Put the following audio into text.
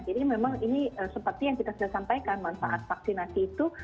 jadi memang ini seperti yang kita sudah sampaikan manfaat vaksinasi itu